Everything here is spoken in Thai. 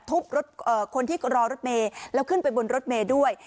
คนที่รอรถเมย์แล้วขึ้นไปบนรถเมย์ด้วย